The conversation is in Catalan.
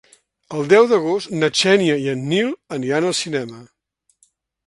El deu d'agost na Xènia i en Nil aniran al cinema.